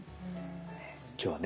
今日はね